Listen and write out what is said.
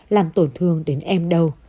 làm tổn thương đến em đâu